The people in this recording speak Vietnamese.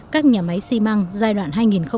các nhà máy xi măng giai đoạn hai nghìn một mươi chín